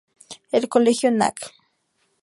El Colegio Nac.